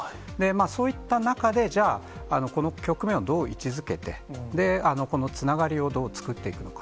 そういった中でじゃあ、この局面をどう位置づけて、このつながりをどう作っていくのか。